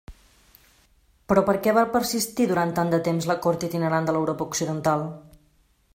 Però per què va persistir durant tant de temps la cort itinerant de l'Europa occidental?